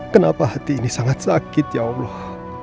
kenapa hati ini sangat sakit ya allah